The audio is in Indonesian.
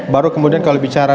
baru kemudian kalau bicara